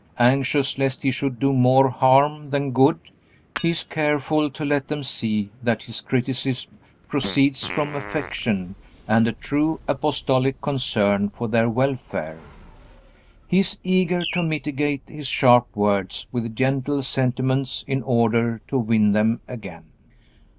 Anxious lest he should do more harm than good, he is careful to let them see that his criticism proceeds from affection and a true apostolic concern for their welfare. He is eager to mitigate his sharp words with gentle sentiments in order to win them again.